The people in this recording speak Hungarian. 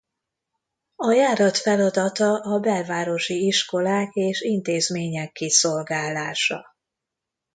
A járat feladata a belvárosi iskolák és intézmények kiszolgálása.